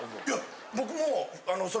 いや僕も。